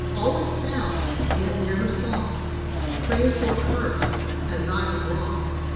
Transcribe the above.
Always found, yet never sought, Praised or cursed, as I have wrought!